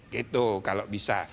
gitu kalau bisa